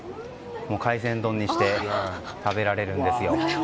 海鮮丼にして食べられるんですよ。